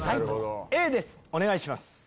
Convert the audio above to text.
Ａですお願いします。